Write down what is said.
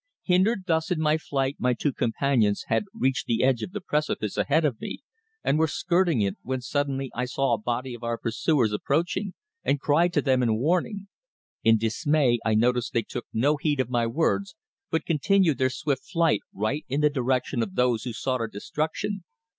Hindered thus in my flight my two companions had reached the edge of the precipice ahead of me, and were skirting it, when suddenly I saw a body of our pursuers approaching, and cried to them in warning. In dismay I noticed they took no heed of my words, but continued their swift flight right in the direction of those who sought our destruction.